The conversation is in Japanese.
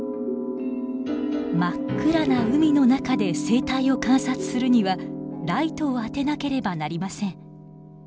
真っ暗な海の中で生態を観察するにはライトを当てなければなりません。